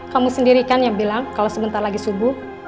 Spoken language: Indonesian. kamu sendiri kan yang bilang kalau sebentar lagi subuh